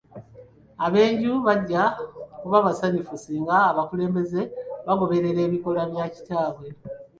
Ab'enju bajja kuba basanyufu singa abakulembeze bagoberera ebikolwa bya kitaabwe.